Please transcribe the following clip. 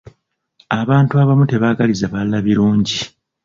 Abantu abamu tebaagaliza balala birungi.